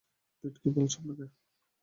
পিট কী বলেছে আপনাকে?